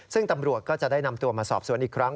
ซึ่งตำรวจก็จะได้นำตัวมาสอบสวนอีกครั้ง